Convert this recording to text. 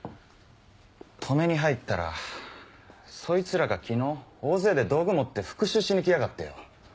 止めに入ったらそいつらが昨日大勢で道具持って復讐しに来やがってよ。